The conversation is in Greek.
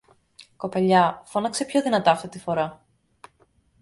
Κοπελιά, φώναξε πιο δυνατά αυτή τη φορά